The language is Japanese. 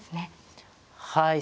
はい。